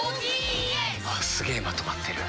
すげえまとまってる。